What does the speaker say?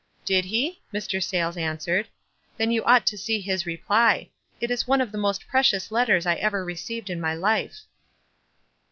" Did he ?" Mr. Sayles answered. "Then you ought to see his reply. It is oue of the most precious letters I ever received in my life."